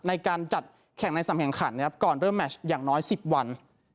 ในการจัดแข่งในสำแข่งขันนะครับก่อนเริ่มแมชอย่างน้อย๑๐วัน